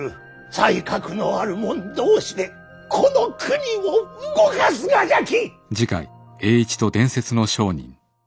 才覚のある者同士でこの国を動かすがじゃき。